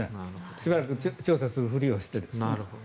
しばらく調査するふりをして。